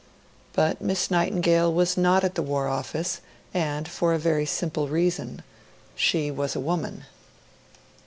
But Miss Nightingale was not at the War Office, and for a very simple reason: she was a woman.